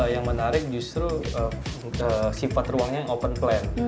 yang menarik justru sifat ruangnya yang open plan